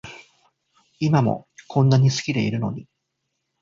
今もこんなに好きでいるのに